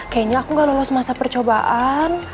kayaknya aku gak lolos masa percobaan